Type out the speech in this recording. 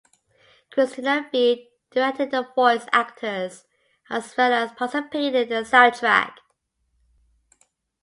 Cristina Vee directed the voice actors as well as participated in the soundtrack.